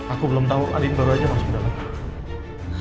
aku belum tahu alin baru aja masuk ke dalam